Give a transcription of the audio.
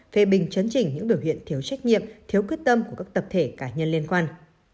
phê bình chấn chỉnh những biểu hiện thiếu trách nhiệm thiếu quyết tâm của các tập thể cá nhân liên quan